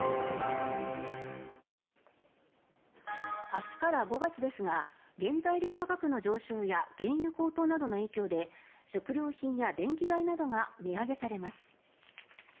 明日から５月ですが原材料価格の上昇や原油高騰などの影響で食料品や電気代などが値上げされます。